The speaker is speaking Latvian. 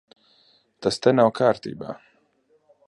Tas te nav kārtībā.